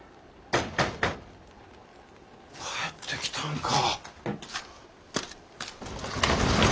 帰ってきたんか。